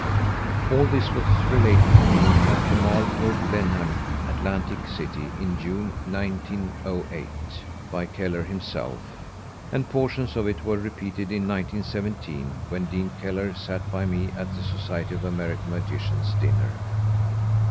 All this was related to me at the Marlborough Blenheim, Atlantic City, in June, 1908, by Kellar himself, and portions of it were repeated in 1917 when Dean Kellar sat by me at the Society of American Magicians' dinner.